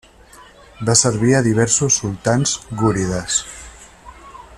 Va servir a diversos sultans gúrides.